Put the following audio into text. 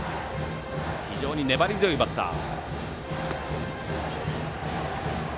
非常に粘り強いバッター。